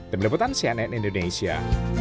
teman teman si anet indonesia